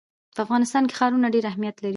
په افغانستان کې ښارونه ډېر اهمیت لري.